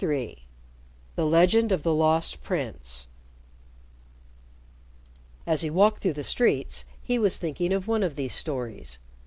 III THE LEGEND OF THE LOST PRINCE As he walked through the streets, he was thinking of one of these stories.